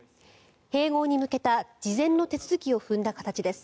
併合に向けた事前の手続きを踏んだ形です。